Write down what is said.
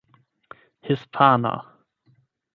hispana